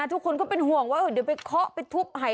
ทุกคนก็เป็นห่วงว่าเดี๋ยวด้วยเขาไปติดให้